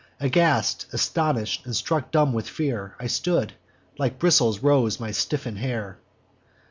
Aghast, astonish'd, and struck dumb with fear, I stood; like bristles rose my stiffen'd hair.